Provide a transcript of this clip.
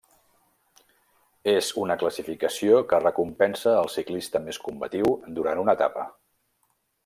És una classificació que recompensa el ciclista més combatiu durant una etapa.